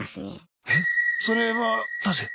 えっそれはなぜ？